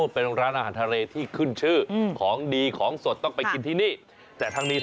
เป็นร้านอาหารทะเลที่ขึ้นชื่อ